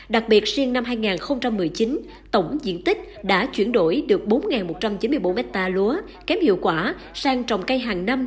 đặc biệt riêng năm hai nghìn một mươi chín tổng diện tích đã chuyển đổi được bốn một trăm chín mươi bốn hectare lúa kém hiệu quả sang trồng cây hàng năm